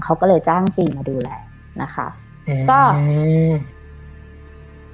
เขาก็เลยจ้างจีมาดูแลนะคะก็อืม